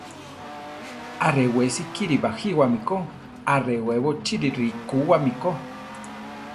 Arewesi kiri bajíwame ko; arewébo chiri rikúwami ko.